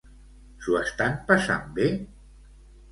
S'ho estan passant bé?